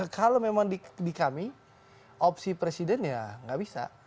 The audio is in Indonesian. kalau memang di kami opsi presiden ya nggak bisa